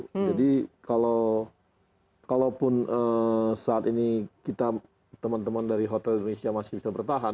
jadi kalaupun saat ini teman teman dari hotel indonesia masih bisa bertahan